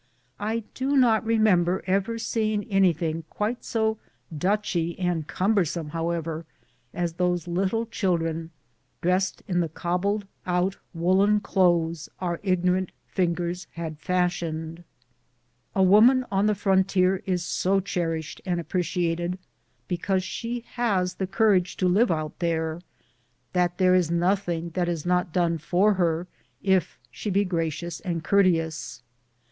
I do not remember ever seeing anything quite so Dntchy and cumbersome, however, as those 126 BOOTS AND SADDLES. little children dressed in the cobbled out woollen clothes our ignorant fingers had fashioned. A woman on the frontier is so cherished and appre ciated, because she has the courage to live out there, that there is nothing that is not done for her if she be gracious and courteous.